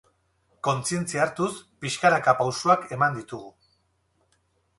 Kontzientzia hartuz, pixkanaka pausoak eman ditugu.